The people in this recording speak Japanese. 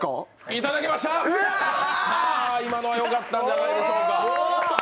いただきました、今のはよかったんじゃないでしょうか。